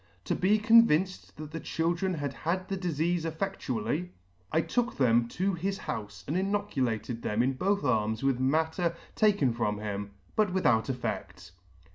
To be convinced that the children had had the difeafe effedtually, I took them to his houfe and inoculated them in both arms with matter taken from him, but without effect."